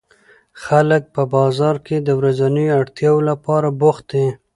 خلک په بازار کې د ورځنیو اړتیاوو لپاره بوخت دي